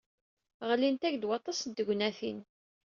Ɣlint-ak-d waṭas n tegnatin.